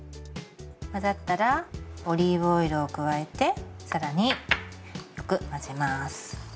混ざったらオリーブオイルを加えて更によく混ぜます。